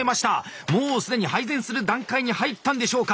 もうすでに配膳する段階に入ったんでしょうか。